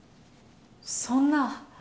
そんな。